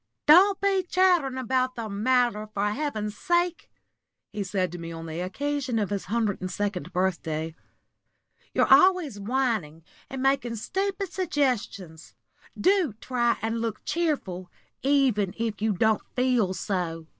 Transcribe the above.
"Don't be chattering about the matter, for heaven's sake!" he said to me on the occasion of his hundred and second birthday. "You're always whining and making stupid suggestions. Do try and look cheerful, even if you don't feel so.